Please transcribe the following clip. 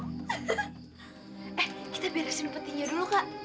eh kita beresin petinya dulu kak